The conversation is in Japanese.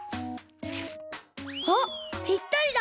あっぴったりだ！